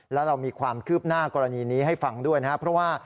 แล้วเรามีความคืบหน้ากรณีนี้ให้ฟังด้วยนะครับเพราะว่า